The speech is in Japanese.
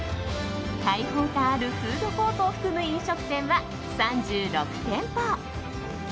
開放感あるフードコートを含む飲食店は３６店舗。